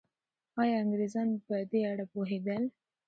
آیا انګریزان په دې اړه پوهېدل؟